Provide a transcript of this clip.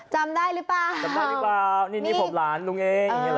จำได้หรือเปล่าจำได้หรือเปล่านี่ผมหลานลุงเอง